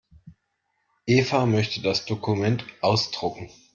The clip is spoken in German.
Eva möchte das Dokument ausdrucken.